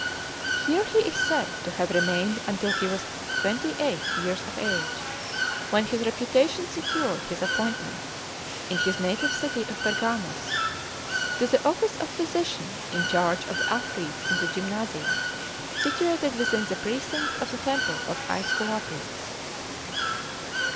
Here he is said to have remained until he was twenty eight years of age, when his reputation secured his appointment, in his native city of Pergamus, to the office of physician in charge of the athletes in the gymnasia situated within the precincts of the temple of Æsculapius.